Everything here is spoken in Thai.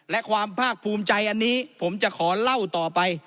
และความภาคภูมิใจอันนี้ผมจะขอเล่าต่อไป